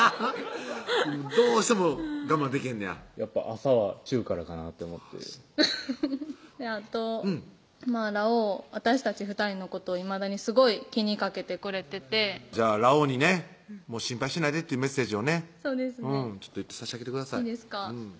どうしても我慢できへんねや朝はチューからかなって思ってあとラオウ私たち２人のことをいまだにすごい気にかけてくれててじゃあラオウにね「心配しないで」というメッセージをねちょっと差し上げてくださいいいですか？